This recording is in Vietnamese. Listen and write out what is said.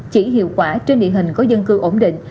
chỉ hiệu quả trên địa hình có dân cư ổn định